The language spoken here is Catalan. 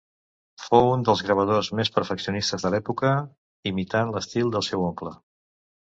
Fou un dels gravadors més perfeccionistes de l'època, imitant l'estil del seu oncle.